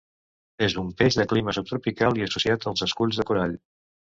És un peix de clima subtropical i associat als esculls de corall.